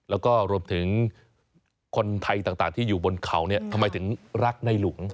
แล้วก็รวมถึงคนไทยต่างที่อยู่บนเขาเนี่ยทำไมถึงรักในหลวง